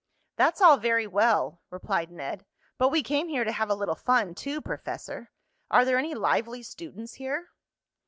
"That's all very well," replied Ned, "but we came here to have a little fun, too, Professor. Are there any lively students here?"